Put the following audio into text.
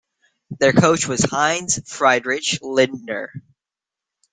Their coach was Heinz-Friedrich Lindner.